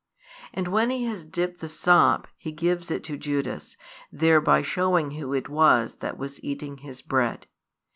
For when He has dipped the sop, He gives it to Judas, thereby showing who it was that was eating His bread.